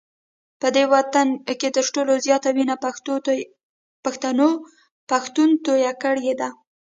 په دې وطن کي تر ټولو زیاته وینه پښتون توی کړې ده